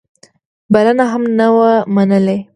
بلنه هم نه وه منلې.